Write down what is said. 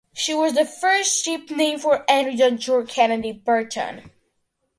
She was the first ship named for Admiral John Kennedy Barton.